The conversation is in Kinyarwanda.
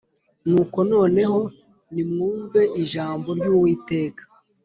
nuko noneho nimwumve ijambo ry Uwiteka